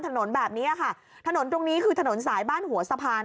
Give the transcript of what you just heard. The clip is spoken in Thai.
ถนนแบบนี้ค่ะถนนตรงนี้คือถนนสายบ้านหัวสะพาน